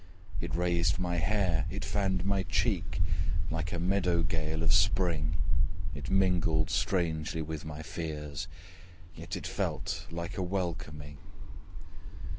It raised my hair, it fanned my cheek Like a meadow gale of spring It mingled strangely with my fears, Yet it felt like a welcoming.